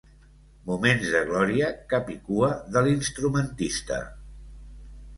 Moments de glòria capicua de l'instrumentista.